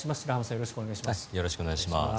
よろしくお願いします。